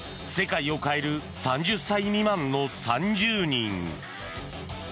「世界を変える３０歳未満」の３０人。